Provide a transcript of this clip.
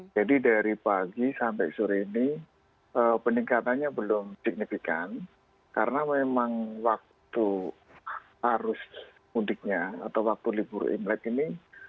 jadi dari pagi sampai sore ini peningkatannya belum signifikan karena memang waktu arus mudiknya atau waktu libur imlek ini